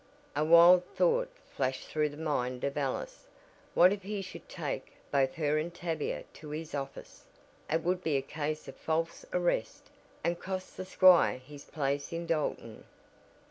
A wild thought flashed through the mind of Alice. What if he should take both her and Tavia to his office! It would be a case of false arrest, and cost the squire his place in Dalton!